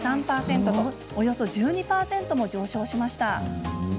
およそ１２％も上昇しました。